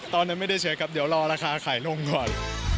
ตอนนั้นไม่ได้เช็คครับเดี๋ยวรอราคาขายลงก่อน